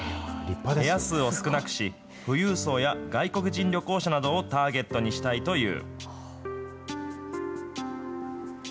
部屋数を少なくし、富裕層や外国人旅行者などをターゲットにしたいという。